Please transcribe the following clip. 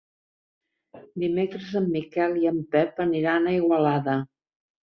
Dimecres en Miquel i en Pep aniran a Igualada.